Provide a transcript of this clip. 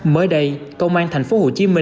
mới đây công an tp hcm